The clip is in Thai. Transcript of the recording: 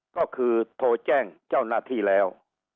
ก็คือโทรแจ้งเจ้าหน้าที่แล้ว